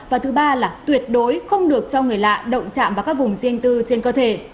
và thứ ba là tuyệt đối không được cho người lạ động chạm vào các vùng riêng tư trên cơ thể